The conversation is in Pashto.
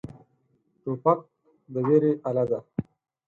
توپک د ویرې اله دی.